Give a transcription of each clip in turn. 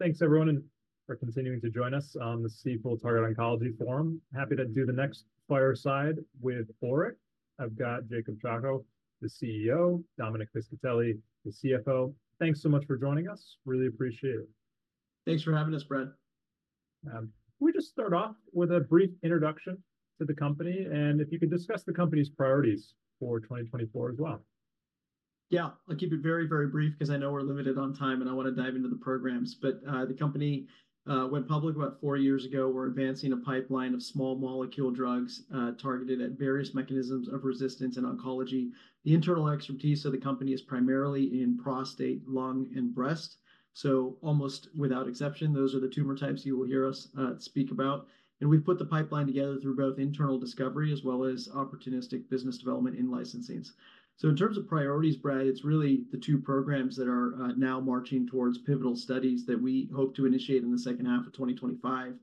Thanks, everyone, for continuing to join us on the Stifel Targeted Oncology Forum. Happy to do the next fireside with ORIC. I've got Jacob Chacko, the CEO. Dominic Piscitelli, the CFO. Thanks so much for joining us. Really appreciate it. Thanks for having us, Brad. Can we just start off with a brief introduction to the company, and if you could discuss the company's priorities for 2024 as well? Yeah. I'll keep it very, very brief because I know we're limited on time and I want to dive into the programs. The company went public about four years ago. We're advancing a pipeline of small molecule drugs targeted at various mechanisms of resistance in oncology. The internal expertise of the company is primarily in prostate, lung, and breast. Almost without exception, those are the tumor types you will hear us speak about. We've put the pipeline together through both internal discovery as well as opportunistic business development in licensings. In terms of priorities, Brad, it's really the two programs that are now marching towards pivotal studies that we hope to initiate in the second half of 2025.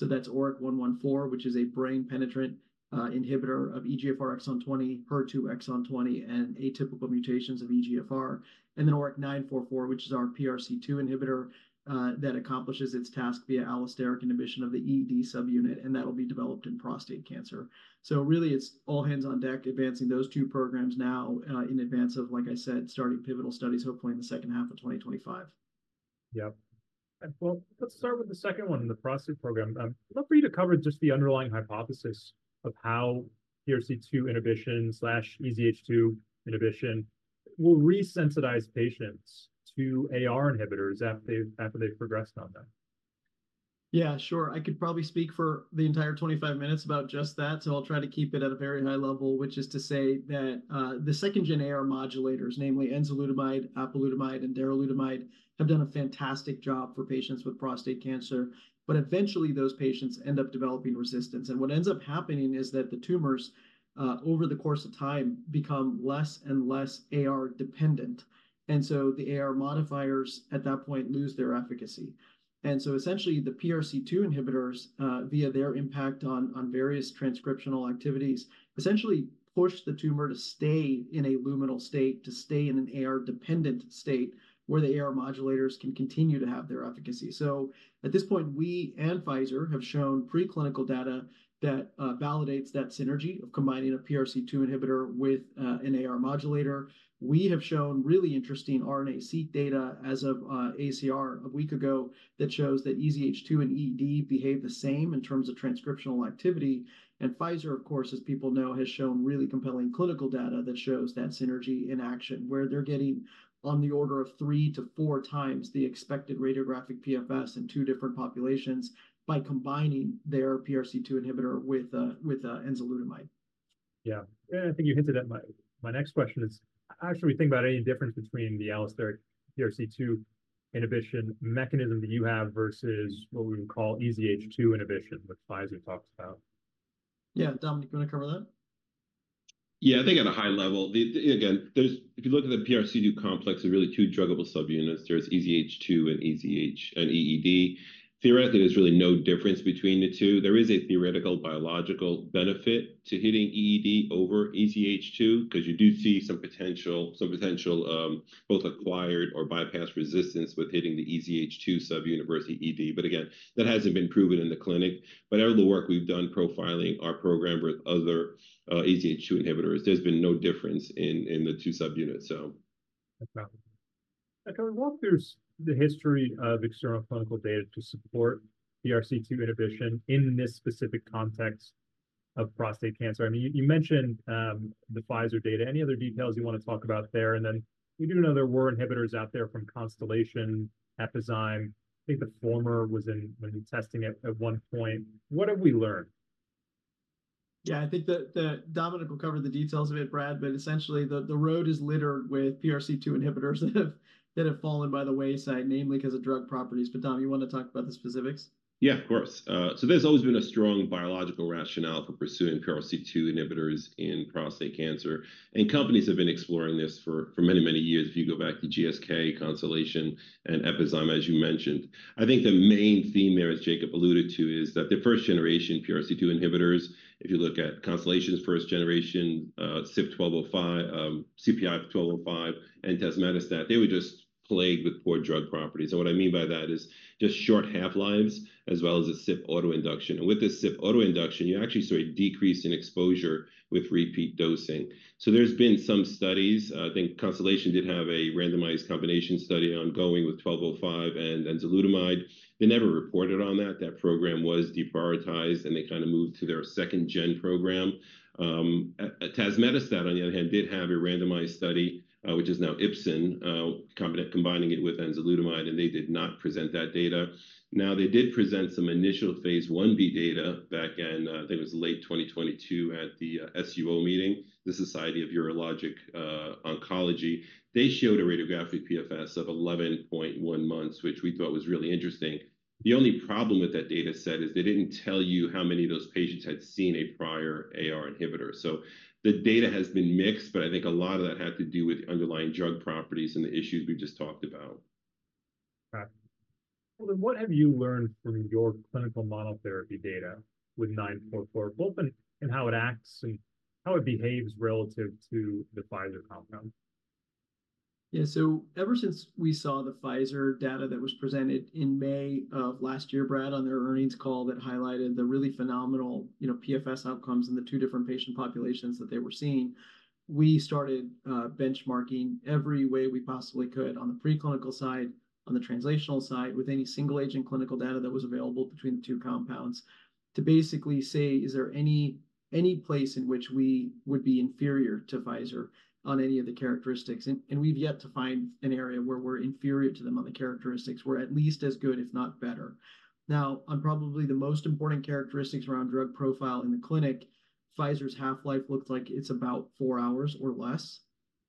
That's ORIC-114, which is a brain-penetrant inhibitor of EGFR Exon 20, HER2 exon 20, and atypical mutations of EGFR. And then ORIC-944, which is our PRC2 inhibitor that accomplishes its task via allosteric inhibition of the EED sub-unit, and that'll be developed in prostate cancer. So really, it's all hands on deck advancing those two programs now in advance of, like I said, starting pivotal studies, hopefully in the second half of 2025. Yep. Well, let's start with the second one, the prostate program. I'd love for you to cover just the underlying hypothesis of how PRC2 inhibition/EZH2 inhibition will resensitize patients to AR inhibitors after they've progressed on them. Yeah, sure. I could probably speak for the entire 25 minutes about just that, so I'll try to keep it at a very high level, which is to say that the second-gen AR modulators, namely enzalutamide, apalutamide, and darolutamide, have done a fantastic job for patients with prostate cancer. But eventually, those patients end up developing resistance. And what ends up happening is that the tumors, over the course of time, become less and less AR-dependent. And so the AR modifiers, at that point, lose their efficacy. And so essentially, the PRC2 inhibitors, via their impact on various transcriptional activities, essentially push the tumor to stay in a luminal state, to stay in an AR-dependent state where the AR modulators can continue to have their efficacy. So at this point, we and Pfizer have shown preclinical data that validates that synergy of combining a PRC2 inhibitor with an AR modulator. We have shown really interesting RNA-seq data as of AACR a week ago that shows that EZH2 and EED behave the same in terms of transcriptional activity. Pfizer, of course, as people know, has shown really compelling clinical data that shows that synergy in action, where they're getting on the order of 3-4x the expected radiographic PFS in two different populations by combining their PRC2 inhibitor with enzalutamide. Yeah. And I think you hinted at my next question is, how should we think about any difference between the allosteric PRC2 inhibition mechanism that you have versus what we would call EZH2 inhibition, which Pfizer talks about? Yeah. Dominic, you want to cover that? Yeah. I think at a high level, again, if you look at the PRC2 complex, there are really two druggable subunits. There's EZH2 and EED. Theoretically, there's really no difference between the two. There is a theoretical biological benefit to hitting EED over EZH2 because you do see some potential, some potential both acquired or bypassed resistance with hitting the EZH2 subunit versus EED. But again, that hasn't been proven in the clinic. But out of the work we've done profiling our program with other EZH2 inhibitors, there's been no difference in the two subunits, so. Can we walk through the history of external clinical data to support PRC2 inhibition in this specific context of prostate cancer? I mean, you mentioned the Pfizer data. Any other details you want to talk about there? And then we do know there were inhibitors out there from Constellation, Epizyme. I think the former was in when we were testing it at one point. What have we learned? Yeah. I think that Dominic will cover the details of it, Brad. But essentially, the road is littered with PRC2 inhibitors that have fallen by the wayside, namely because of drug properties. But Dom, you want to talk about the specifics? Yeah, of course. So there's always been a strong biological rationale for pursuing PRC2 inhibitors in prostate cancer. And companies have been exploring this for many, many years. If you go back to GSK, Constellation, and Epizyme, as you mentioned, I think the main theme there, as Jacob alluded to, is that their first-generation PRC2 inhibitors, if you look at Constellation's first generation, CPI-1205, and Tazemetostat, they were just plagued with poor drug properties. And what I mean by that is just short half-lives as well as a CYP autoinduction. And with this CYP autoinduction, you actually saw a decrease in exposure with repeat dosing. So there's been some studies. I think Constellation did have a randomized combination study ongoing with 1205 and enzalutamide. They never reported on that. That program was deprioritized, and they kind of moved to their second-gen program. Tazemetostat, on the other hand, did have a randomized study, which is now Ipsen, combining it with enzalutamide, and they did not present that data. Now, they did present some initial phase I-B data back in, I think it was late 2022, at the SUO meeting, the Society of Urologic Oncology. They showed a radiographic PFS of 11.1 months, which we thought was really interesting. The only problem with that dataset is they didn't tell you how many of those patients had seen a prior AR inhibitor. So the data has been mixed, but I think a lot of that had to do with underlying drug properties and the issues we've just talked about. Okay. Well, then what have you learned from your clinical monotherapy data with 944, both in how it acts and how it behaves relative to the Pfizer compound? Yeah. So ever since we saw the Pfizer data that was presented in May of last year, Brad, on their earnings call that highlighted the really phenomenal PFS outcomes in the two different patient populations that they were seeing, we started benchmarking every way we possibly could on the preclinical side, on the translational side, with any single-agent clinical data that was available between the two compounds to basically say, is there any place in which we would be inferior to Pfizer on any of the characteristics? And we've yet to find an area where we're inferior to them on the characteristics. We're at least as good, if not better. Now, on probably the most important characteristics around drug profile in the clinic, Pfizer's half-life looked like it's about four hours or less.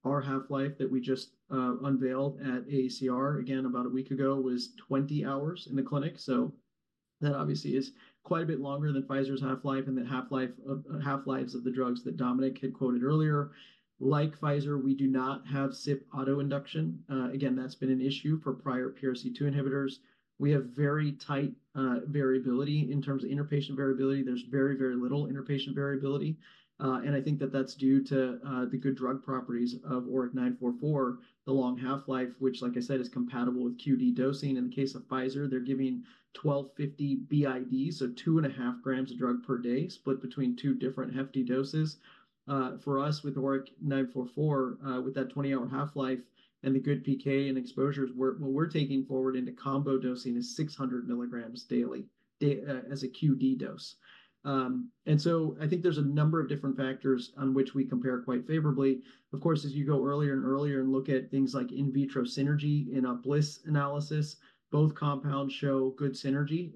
Our half-life that we just unveiled at AACR, again, about a week ago, was 20 hours in the clinic. So that obviously is quite a bit longer than Pfizer's half-life and the half-lives of the drugs that Dominic had quoted earlier. Like Pfizer, we do not have CYP autoinduction. Again, that's been an issue for prior PRC2 inhibitors. We have very tight variability in terms of interpatient variability. There's very, very little interpatient variability. And I think that that's due to the good drug properties of ORIC-944, the long half-life, which, like I said, is compatible with QD dosing. In the case of Pfizer, they're giving 1250 BID, so 2.5 grams of drug per day, split between two different hefty doses. For us with ORIC-944, with that 20-hour half-life and the good PK and exposures, what we're taking forward into combo dosing is 600 milligrams daily as a QD dose. And so I think there's a number of different factors on which we compare quite favorably. Of course, as you go earlier and earlier and look at things like in vitro synergy in a Bliss analysis, both compounds show good synergy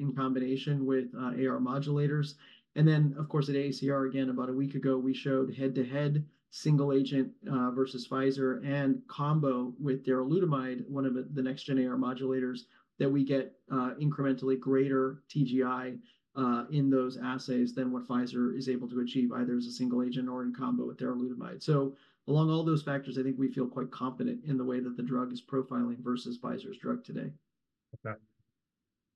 in combination with AR modulators. And then, of course, at AACR, again, about a week ago, we showed head-to-head single agent versus Pfizer and combo with darolutamide, one of the next-gen AR modulators, that we get incrementally greater TGI in those assays than what Pfizer is able to achieve either as a single agent or in combo with darolutamide. Along all those factors, I think we feel quite confident in the way that the drug is profiling versus Pfizer's drug today. Okay.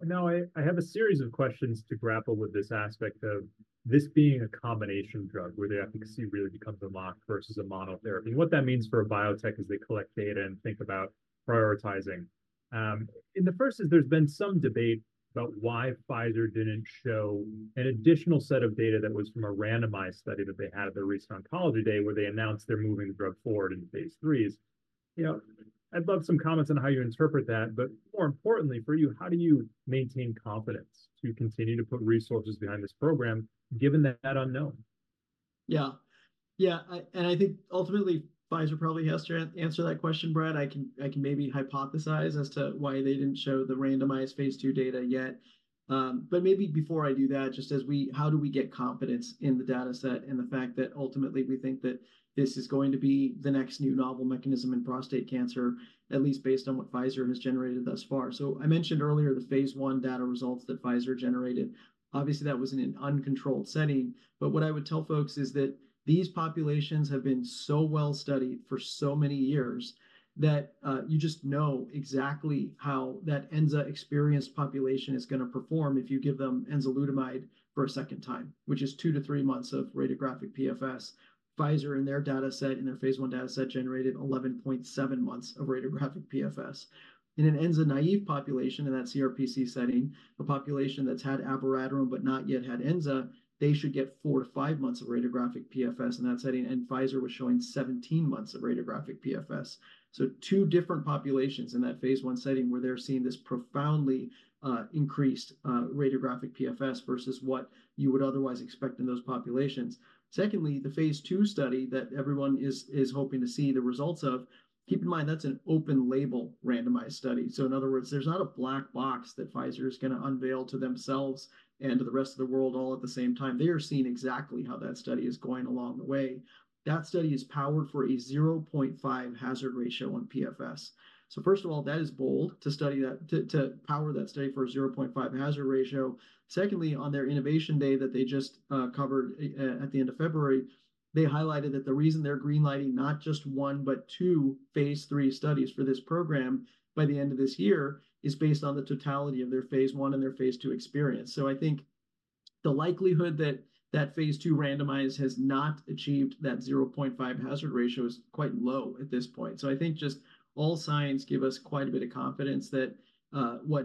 Now, I have a series of questions to grapple with this aspect of this being a combination drug where the efficacy really becomes atop a monotherapy. And what that means for a biotech is they collect data and think about prioritizing. And the first is there's been some debate about why Pfizer didn't show an additional set of data that was from a randomized study that they had at their recent oncology day where they announced they're moving the drug forward into phase IIIs. I'd love some comments on how you interpret that. But more importantly for you, how do you maintain confidence to continue to put resources behind this program given that unknown? Yeah. Yeah. And I think ultimately, Pfizer probably has to answer that question, Brad. I can maybe hypothesize as to why they didn't show the randomized phase II data yet. But maybe before I do that, just as we, how do we get confidence in the dataset and the fact that ultimately we think that this is going to be the next new novel mechanism in prostate cancer, at least based on what Pfizer has generated thus far? So I mentioned earlier the phase I data results that Pfizer generated. Obviously, that was in an uncontrolled setting. But what I would tell folks is that these populations have been so well studied for so many years that you just know exactly how that ENZA experienced population is going to perform if you give them enzalutamide for a second time, which is two to three months of radiographic PFS. Pfizer, in their dataset, in their phase I dataset, generated 11.7 months of radiographic PFS. In an ENZA naive population in that CRPC setting, a population that's had abiraterone but not yet had ENZA, they should get four, five months of radiographic PFS in that setting. Pfizer was showing 17 months of radiographic PFS. Two different populations in that phase I setting where they're seeing this profoundly increased radiographic PFS versus what you would otherwise expect in those populations. Secondly, the phase II study that everyone is hoping to see the results of, keep in mind, that's an open-label randomized study. In other words, there's not a black box that Pfizer is going to unveil to themselves and to the rest of the world all at the same time. They are seeing exactly how that study is going along the way. That study is powered for a 0.5 hazard ratio on PFS. So first of all, that is bold to study that, to power that study for a 0.5 hazard ratio. Secondly, on their innovation day that they just covered at the end of February, they highlighted that the reason they're greenlighting not just one, but two phase III studies for this program by the end of this year is based on the totality of their phase I and their phase II experience. So I think the likelihood that that phase II randomized has not achieved that 0.5 hazard ratio is quite low at this point. So I think just all signs give us quite a bit of confidence that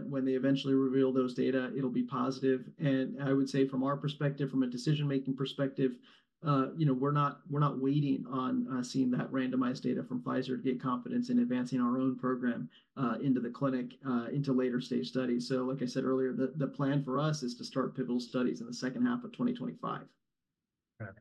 when they eventually reveal those data, it'll be positive. I would say from our perspective, from a decision-making perspective, we're not waiting on seeing that randomized data from Pfizer to get confidence in advancing our own program into the clinic into later-stage studies. Like I said earlier, the plan for us is to start pivotal studies in the second half of 2025. Okay.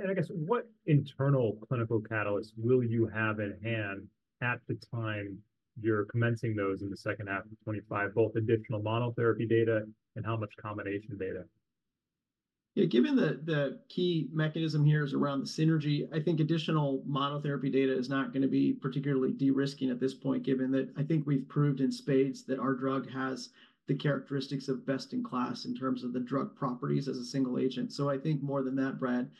And I guess what internal clinical catalysts will you have in hand at the time you're commencing those in the second half of 2025, both additional monotherapy data and how much combination data? Yeah. Given the key mechanism here is around the synergy, I think additional monotherapy data is not going to be particularly de-risking at this point, given that I think we've proved in spades that our drug has the characteristics of best in class in terms of the drug properties as a single agent. So I think more than that, Brad,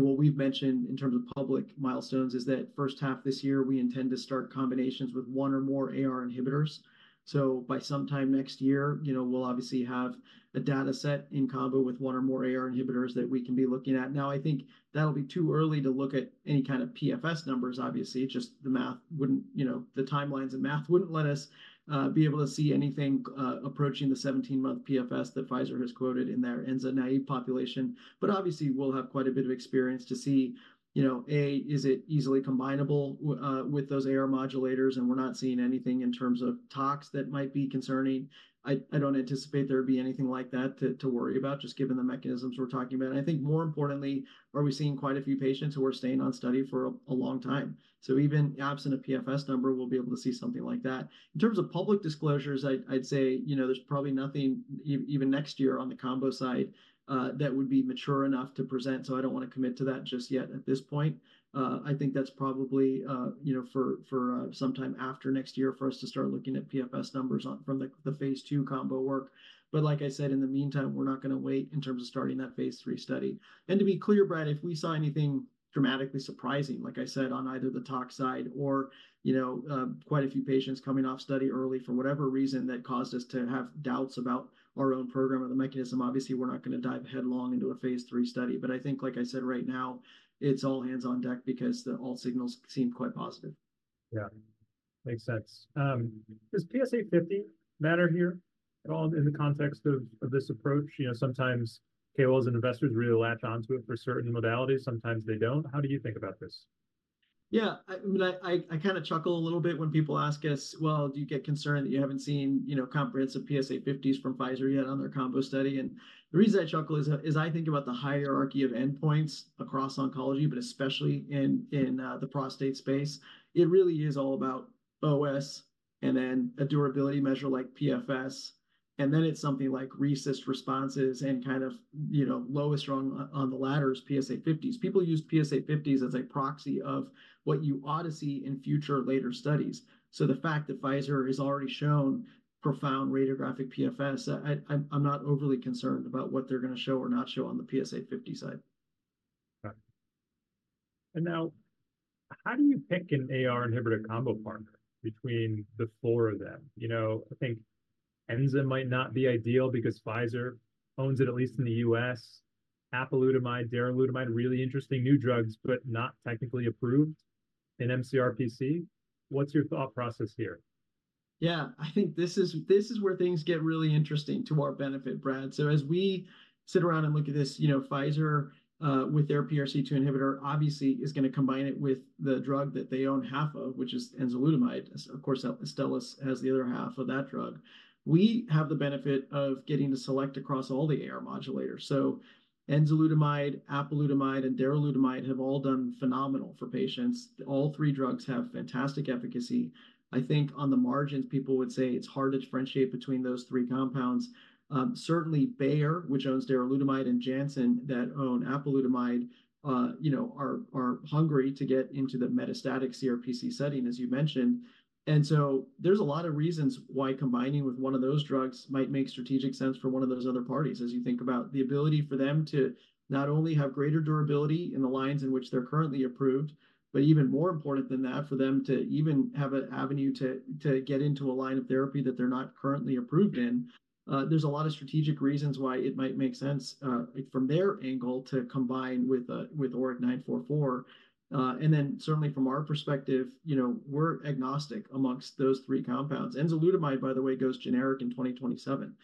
what we've mentioned in terms of public milestones is that first half this year, we intend to start combinations with one or more AR inhibitors. So by sometime next year, we'll obviously have a dataset in combo with one or more AR inhibitors that we can be looking at. Now, I think that'll be too early to look at any kind of PFS numbers, obviously. The timelines and math wouldn't let us be able to see anything approaching the 17-month PFS that Pfizer has quoted in their ENZA naive population. But obviously, we'll have quite a bit of experience to see, a, is it easily combinable with those AR modulators? And we're not seeing anything in terms of tox that might be concerning. I don't anticipate there would be anything like that to worry about, just given the mechanisms we're talking about. And I think more importantly, are we seeing quite a few patients who are staying on study for a long time? So even absent a PFS number, we'll be able to see something like that. In terms of public disclosures, I'd say there's probably nothing even next year on the combo side that would be mature enough to present. I don't want to commit to that just yet at this point. I think that's probably for sometime after next year for us to start looking at PFS numbers from the phase II combo work. Like I said, in the meantime, we're not going to wait in terms of starting that phase III study. To be clear, Brad, if we saw anything dramatically surprising, like I said, on either the tox side or quite a few patients coming off study early for whatever reason that caused us to have doubts about our own program or the mechanism, obviously, we're not going to dive headlong into a phase III study. I think, like I said, right now, it's all hands on deck because all signals seem quite positive. Yeah. Makes sense. Does PSA 50 matter here at all in the context of this approach? Sometimes KOLs and investors really latch onto it for certain modalities. Sometimes they don't. How do you think about this? Yeah. I mean, I kind of chuckle a little bit when people ask us, "Well, do you get concerned that you haven't seen comprehensive PSA 50s from Pfizer yet on their combo study?" And the reason I chuckle is I think about the hierarchy of endpoints across oncology, but especially in the prostate space. It really is all about OS and then a durability measure like PFS. And then it's something like radiographic responses and kind of lowest rung on the ladder, PSA 50s. People use PSA 50s as a proxy of what you ought to see in future later studies. So the fact that Pfizer has already shown profound radiographic PFS, I'm not overly concerned about what they're going to show or not show on the PSA 50 side. Okay. And now, how do you pick an AR inhibitor combo partner between the four of them? I think ENZA might not be ideal because Pfizer owns it at least in the U.S. apalutamide, darolutamide, really interesting new drugs, but not technically approved in mCRPC. What's your thought process here? Yeah. I think this is where things get really interesting to our benefit, Brad. So as we sit around and look at this, Pfizer with their PRC2 inhibitor obviously is going to combine it with the drug that they own half of, which is enzalutamide. Of course, Astellas has the other half of that drug. We have the benefit of getting to select across all the AR modulators. So enzalutamide, apalutamide, and darolutamide have all done phenomenal for patients. All three drugs have fantastic efficacy. I think on the margins, people would say it's hard to differentiate between those three compounds. Certainly, Bayer, which owns darolutamide, and Janssen that own apalutamide are hungry to get into the metastatic CRPC setting, as you mentioned. And so there's a lot of reasons why combining with one of those drugs might make strategic sense for one of those other parties as you think about the ability for them to not only have greater durability in the lines in which they're currently approved, but even more important than that, for them to even have an avenue to get into a line of therapy that they're not currently approved in. There's a lot of strategic reasons why it might make sense from their angle to combine with ORIC-944. And then certainly from our perspective, we're agnostic amongst those three compounds. Enzalutamide, by the way, goes generic in 2027.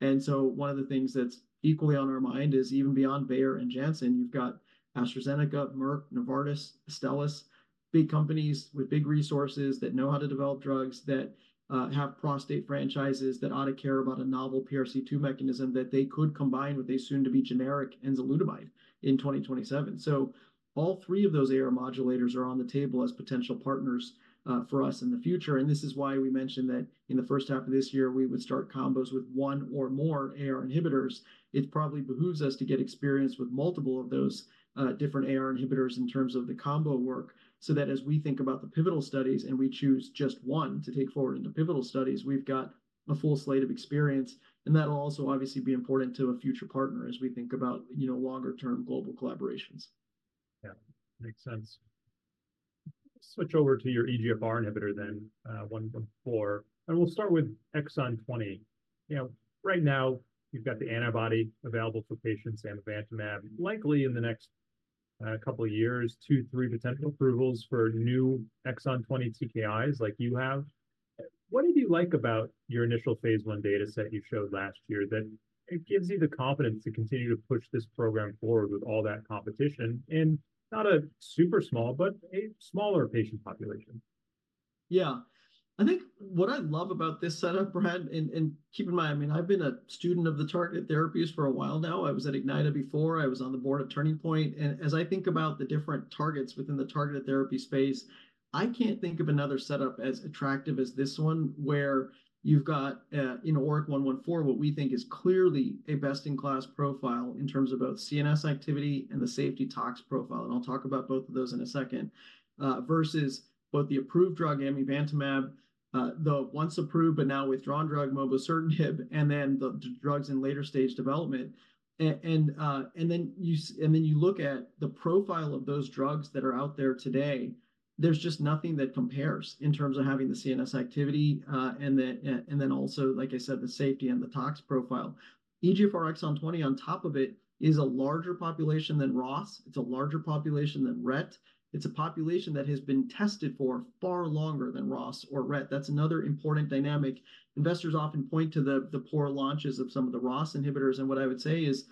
One of the things that's equally on our mind is even beyond Bayer and Janssen, you've got AstraZeneca, Merck, Novartis, Astellas, big companies with big resources that know how to develop drugs that have prostate franchises that ought to care about a novel PRC2 mechanism that they could combine with a soon-to-be generic enzalutamide in 2027. All three of those AR modulators are on the table as potential partners for us in the future. This is why we mentioned that in the first half of this year, we would start combos with one or more AR inhibitors. It probably behooves us to get experience with multiple of those different AR inhibitors in terms of the combo work so that as we think about the pivotal studies and we choose just one to take forward into pivotal studies, we've got a full slate of experience. That'll also obviously be important to a future partner as we think about longer-term global collaborations. Yeah. Makes sense. Switch over to your EGFR inhibitor then, 114. And we'll start with Exon 20. Right now, you've got the antibody available for patients, Amivantamab. Likely in the next couple of years, two, three potential approvals for new Exon 20 TKIs like you have. What did you like about your initial phase I dataset you showed last year that gives you the confidence to continue to push this program forward with all that competition in not a super small, but a smaller patient population? Yeah. I think what I love about this setup, Brad, and keep in mind, I mean, I've been a student of the targeted therapies for a while now. I was at Ignyta before. I was on the board at Turning Point. And as I think about the different targets within the targeted therapy space, I can't think of another setup as attractive as this one where you've got in ORIC-114 what we think is clearly a best-in-class profile in terms of both CNS activity and the safety tox profile. And I'll talk about both of those in a second versus both the approved drug Amivantamab, the once-approved but now withdrawn drug, mobocertinib, and then the drugs in later-stage development. And then you look at the profile of those drugs that are out there today. There's just nothing that compares in terms of having the CNS activity and then also, like I said, the safety and the tox profile. EGFR Exon 20, on top of it, is a larger population than ROS. It's a larger population than RET. It's a population that has been tested for far longer than ROS or RET. That's another important dynamic. Investors often point to the poor launches of some of the ROS inhibitors. What I would say is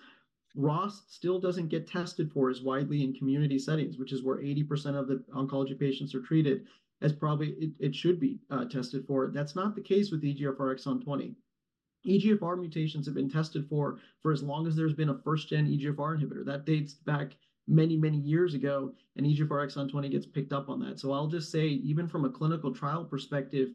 ROS still doesn't get tested for as widely in community settings, which is where 80% of the oncology patients are treated as probably it should be tested for. That's not the case with EGFR Exon 20. EGFR mutations have been tested for as long as there's been a first-gen EGFR inhibitor. That dates back many, many years ago. EGFR Exon 20 gets picked up on that. So I'll just say, even from a clinical trial perspective,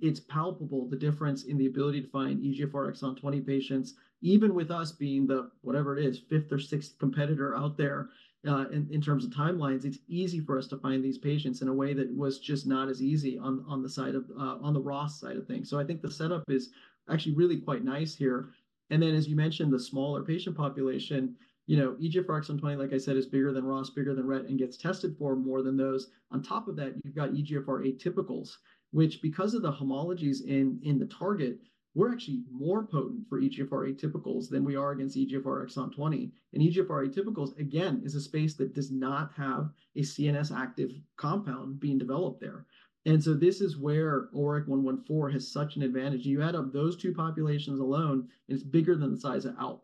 it's palpable the difference in the ability to find EGFR Exon 20 patients, even with us being the, whatever it is, fifth or sixth competitor out there in terms of timelines, it's easy for us to find these patients in a way that was just not as easy on the side of, on the ROS side of things. So I think the setup is actually really quite nice here. And then, as you mentioned, the smaller patient population, EGFR Exon 20, like I said, is bigger than ROS, bigger than RET, and gets tested for more than those. On top of that, you've got EGFR atypicals, which because of the homologies in the target, we're actually more potent for EGFR atypicals than we are against EGFR Exon 20. And EGFR atypicals, again, is a space that does not have a CNS active compound being developed there. And so this is where ORIC-114 has such an advantage. You add up those two populations alone, and it's bigger than the size of ALK.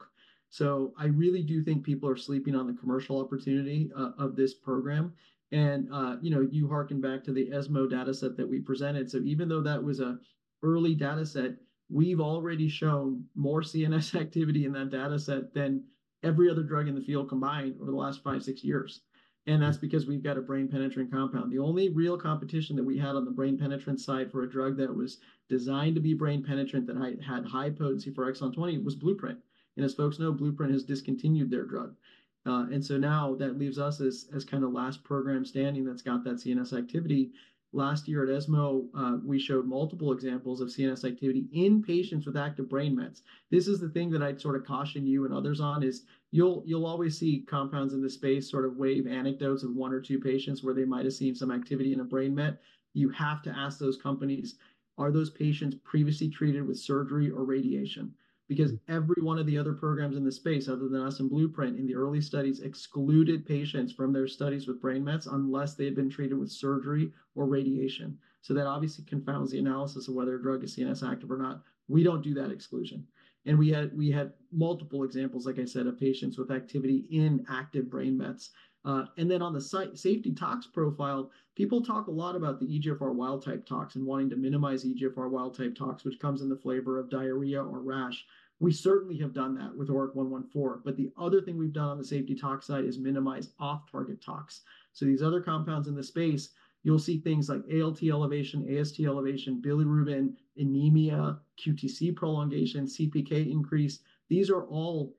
So I really do think people are sleeping on the commercial opportunity of this program. And you harken back to the ESMO dataset that we presented. So even though that was an early dataset, we've already shown more CNS activity in that dataset than every other drug in the field combined over the last five, six years. And that's because we've got a brain-penetrating compound. The only real competition that we had on the brain-penetrant side for a drug that was designed to be brain-penetrant, that had high potency for Exon 20, was Blueprint. And as folks know, Blueprint has discontinued their drug. And so now that leaves us as kind of last program standing that's got that CNS activity. Last year at ESMO, we showed multiple examples of CNS activity in patients with active brain METs. This is the thing that I'd sort of caution you and others on is you'll always see compounds in this space sort of wave anecdotes of one or two patients where they might have seen some activity in a brain MET. You have to ask those companies, are those patients previously treated with surgery or radiation? Because every one of the other programs in the space, other than us and Blueprint in the early studies, excluded patients from their studies with brain METs unless they had been treated with surgery or radiation. So that obviously confounds the analysis of whether a drug is CNS active or not. We don't do that exclusion. We had multiple examples, like I said, of patients with activity in active brain METs . Then on the safety tox profile, people talk a lot about the EGFR wild-type tox and wanting to minimize EGFR wild-type tox, which comes in the flavor of diarrhea or rash. We certainly have done that with ORIC-114. But the other thing we've done on the safety tox side is minimize off-target tox. So these other compounds in the space, you'll see things like ALT elevation, AST elevation, bilirubin, anemia, QTc prolongation, CPK increase. These are all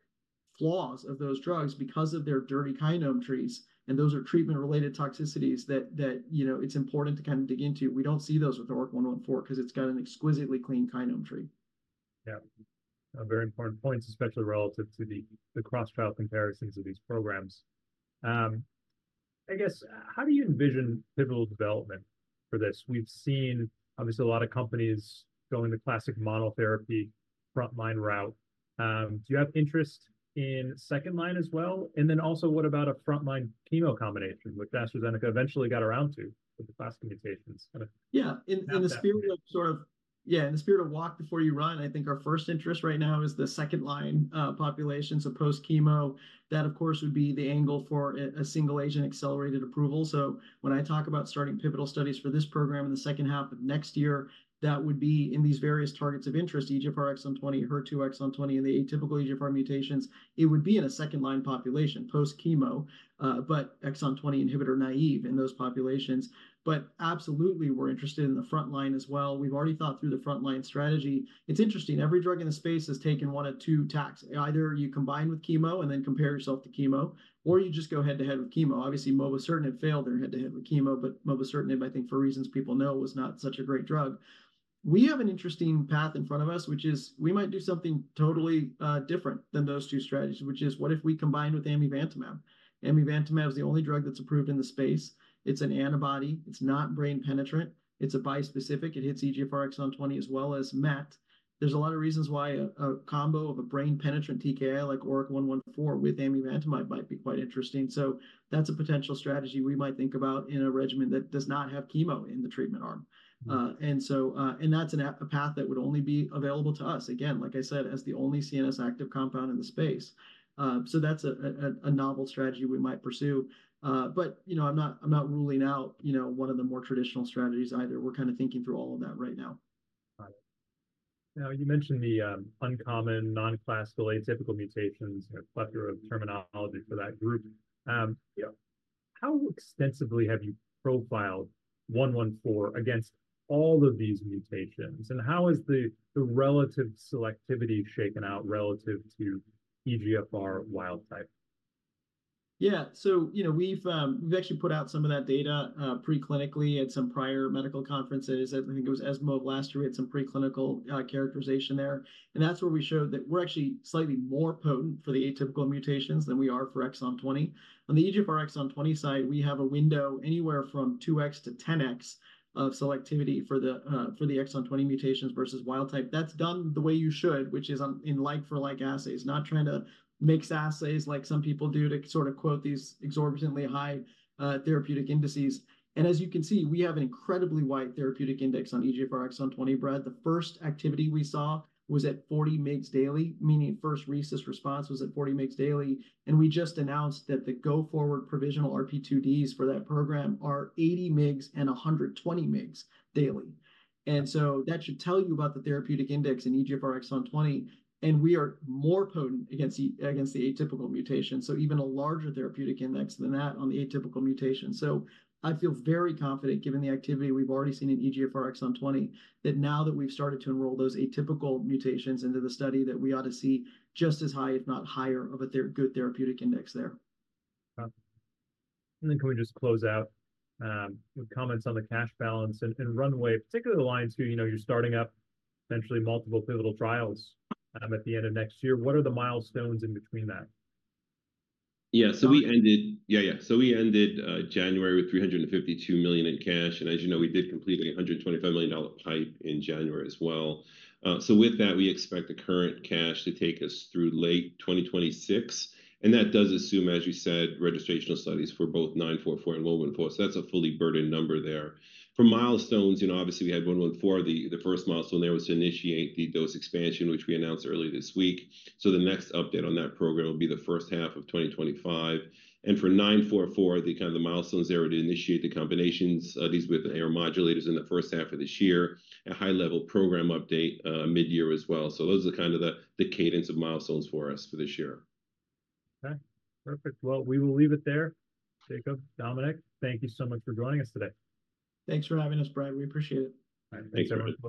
flaws of those drugs because of their dirty kinome trees. Those are treatment-related toxicities that it's important to kind of dig into. We don't see those with ORIC-114 because it's got an exquisitely clean kinome tree. Yeah. Very important points, especially relative to the cross-trial comparisons of these programs. I guess, how do you envision pivotal development for this? We've seen, obviously, a lot of companies going the classic monotherapy frontline route. Do you have interest in second line as well? And then also, what about a frontline chemo combination, which AstraZeneca eventually got around to with the classic mutations? Yeah. In the spirit of sort of, yeah, in the spirit of walk before you run, I think our first interest right now is the second-line populations of post-chemo. That, of course, would be the angle for a single agent accelerated approval. So when I talk about starting pivotal studies for this program in the second half of next year, that would be in these various targets of interest, EGFR Exon 20, HER2 Exon 20, and the atypical EGFR mutations. It would be in a second-line population post-chemo, but Exon 20 inhibitor naive in those populations. But absolutely, we're interested in the frontline as well. We've already thought through the frontline strategy. It's interesting. Every drug in the space has taken one of two tacks. Either you combine with chemo and then compare yourself to chemo, or you just go head-to-head with chemo. Obviously, mobocertinib failed their head-to-head with chemo, but mobocertinib, I think, for reasons people know, was not such a great drug. We have an interesting path in front of us, which is we might do something totally different than those two strategies, which is what if we combined with Amivantamab? Amivantamab is the only drug that's approved in the space. It's an antibody. It's not brain-penetrant. It's a bispecific. It hits EGFR Exon 20 as well as MET. There's a lot of reasons why a combo of a brain-penetrant TKI like ORIC-114 with Amivantamab might be quite interesting. So that's a potential strategy we might think about in a regimen that does not have chemo in the treatment arm. And that's a path that would only be available to us. Again, like I said, as the only CNS active compound in the space. So that's a novel strategy we might pursue. But I'm not ruling out one of the more traditional strategies either. We're kind of thinking through all of that right now. Got it. Now, you mentioned the uncommon, non-classical, atypical mutations. You have a plethora of terminology for that group. How extensively have you profiled 114 against all of these mutations? And how has the relative selectivity shaken out relative to EGFR wild-type? Yeah. So we've actually put out some of that data preclinically at some prior medical conferences. I think it was ESMO of last year. We had some preclinical characterization there. And that's where we showed that we're actually slightly more potent for the atypical mutations than we are for Exon 20. On the EGFR Exon 20 side, we have a window anywhere from 2x to 10x of selectivity for the Exon 20 mutations versus wild-type. That's done the way you should, which is in like-for-like assays, not trying to mix assays like some people do to sort of quote these exorbitantly high therapeutic indices. And as you can see, we have an incredibly wide therapeutic index on EGFR Exon 20, Brad. The first activity we saw was at 40 mg daily, meaning first RECIST response was at 40 mg daily. We just announced that the go-forward provisional RP2Ds for that program are 80 mg and 120 mg daily. That should tell you about the therapeutic index in EGFR Exon 20. We are more potent against the atypical mutation, so even a larger therapeutic index than that on the atypical mutation. I feel very confident given the activity we've already seen in EGFR Exon 20 that now that we've started to enroll those atypical mutations into the study, that we ought to see just as high, if not higher, of a good therapeutic index there. And then can we just close out with comments on the cash balance and runway, particularly the timeline for which you're starting up potentially multiple pivotal trials at the end of next year? What are the milestones in between that? Yeah. So we ended January with $352 million in cash. And as you know, we did complete a $125 million PIPE in January as well. So with that, we expect the current cash to take us through late 2026. And that does assume, as you said, registration studies for both 944 and 114. So that's a fully burdened number there. For milestones, obviously, we had 114. The first milestone there was to initiate the dose expansion, which we announced early this week. So the next update on that program will be the first half of 2025. And for 944, the kind of the milestones there were to initiate the combinations with the AR modulators in the first half of this year, a high-level program update mid-year as well. So those are kind of the cadence of milestones for us for this year. Okay. Perfect. Well, we will leave it there. Jacob, Dominic, thank you so much for joining us today. Thanks for having us, Brad. We appreciate it. Thanks, everyone.